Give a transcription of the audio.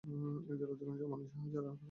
এই জেলার অধিকাংশই মানুষই হাজারা সম্প্রদায়ের।